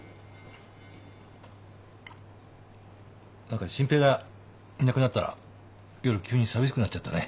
何か真平がいなくなったら夜急に寂しくなっちゃったね。